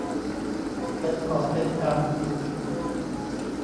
เต็มกอบเต็มกำ